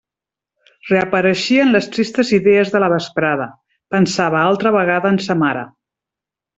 Reapareixien les tristes idees de la vesprada; pensava altra vegada en sa mare.